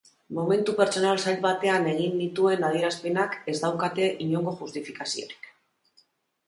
Momentu pertsonal zail batean egin nituen adierazpenak ez daukate inongo justifikaziorik.